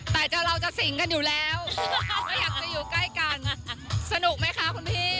แต่เราจะสิ่งกันอยู่แล้วไม่อยากจะอยู่ใกล้กันสนุกไหมคะคุณพี่